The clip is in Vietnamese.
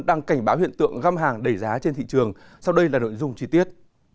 đang cảnh báo hiện tượng găm hàng đẩy giá trên thị trường sau đây là nội dung chi tiết